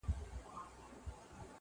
په سیوري پسي پل اخلي رازونه تښتوي؛